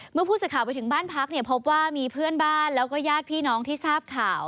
เมื่อผู้สื่อข่าวไปถึงบ้านพักเนี่ยพบว่ามีเพื่อนบ้านแล้วก็ญาติพี่น้องที่ทราบข่าว